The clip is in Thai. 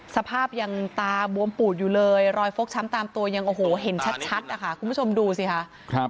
สภาพยังตาบวมปูดอยู่เลยรอยฟกช้ำตามตัวยังโอ้โหเห็นชัดนะคะคุณผู้ชมดูสิค่ะ